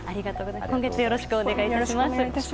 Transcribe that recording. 今月よろしくお願いいたします。